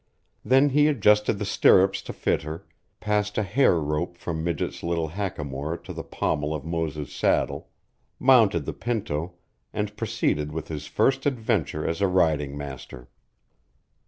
Then he adjusted the stirrups to fit her, passed a hair rope from Midget's little hackamore to the pommel of Moses' saddle, mounted the pinto, and proceeded with his first adventure as a riding master.